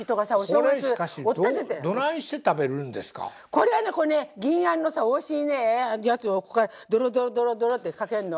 これはね銀あんのおいしいやつをここからドロドロドロドロってかけるの。